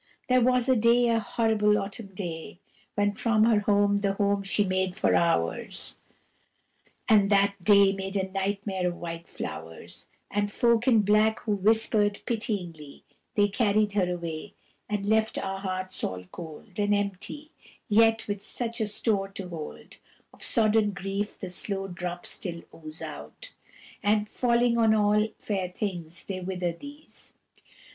THERE was a day, A horrible Autumn day, When from her home, the home she made for ours And that day made a nightmare of white flowers And folk in black who whispered pityingly, They carried her away; And left our hearts all cold And empty, yet with such a store to hold Of sodden grief the slow drops still ooze out, And, falling on all fair things, they wither these.